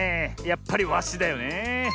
やっぱりワシだよねえ。